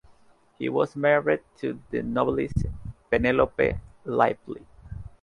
He was married to the novelist Penelope Lively.